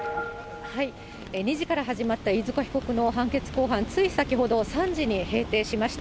２時から始まった飯塚被告の判決公判、つい先ほど３時に閉廷しました。